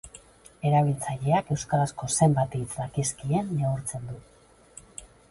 Erabiltzaileak euskarazko zenbat hitz dakizkien neurtzen du.